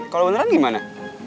kalau beneran gimana